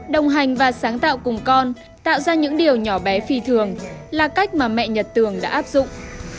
đồng hành và sáng tạo cùng con tạo ra những điều nhỏ bé phi thường là cách mà mẹ nhật tường đã áp dụng